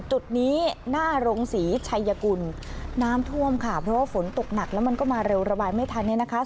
จุดนี้หน้าโรงศรีชัยกุลน้ำท่วมค่ะเพราะว่าฝนตกหนักแล้วมันก็มาเร็วระบายไม่ทันเนี่ยนะคะ